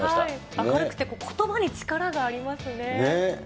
明るくて、ことばに力がありますね。